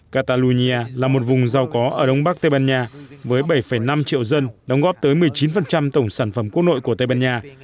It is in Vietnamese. catalonia là một vùng giàu có ở đông bắc tây ban nha với bảy năm triệu dân đóng góp tới một mươi chín tổng sản phẩm quốc nội của tây ban nha